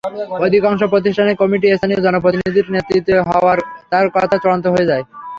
অধিকাংশ প্রতিষ্ঠানের কমিটি স্থানীয় জনপ্রতিনিধির নেতৃত্বে হওয়ায় তাঁর কথাই চূড়ান্ত হয়ে যায়।